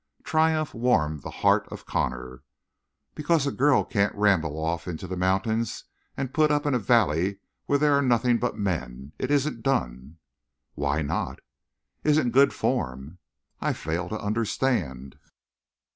Triumph warmed the heart of Connor. "Because a girl can't ramble off into the mountains and put up in a valley where there are nothing but men. It isn't done." "Why not?" "Isn't good form." "I fail to understand."